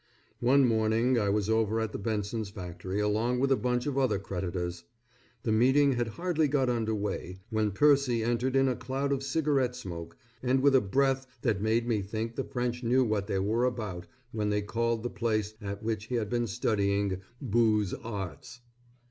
One morning I was over at the Benson's factory along with a bunch of other creditors. The meeting had hardly got under way, when Percy entered in a cloud of cigarette smoke, and with a breath that made me think the French knew what they were about when they called the place at which he had been studying Booze Arts.